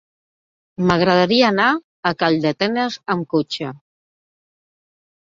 M'agradaria anar a Calldetenes amb cotxe.